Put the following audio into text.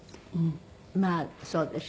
まあそうでしょうね。